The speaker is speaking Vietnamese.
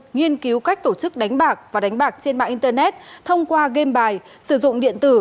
nghiên cứu cách tổ chức đánh bạc và đánh bạc trên mạng internet thông qua game bài sử dụng điện tử